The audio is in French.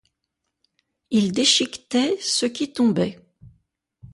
Ils déchiquetaient ceux qui tombaient.